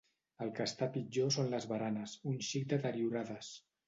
El que està pitjor són les baranes, un xic deteriorades.